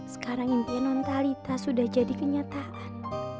sekarang impian non talitha sudah jadi kenyataan